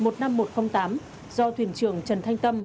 do thuyền trưởng trần thanh tâm